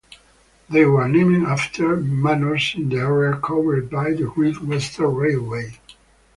They were named after Manors in the area covered by the Great Western Railway.